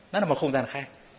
nó là một không gian khác